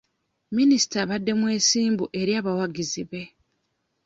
Minisita abadde mwesimbu eri abawagizi be.